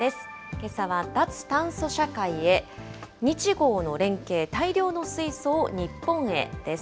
けさは、脱炭素社会へ、日豪の連携、大量の水素を日本へです。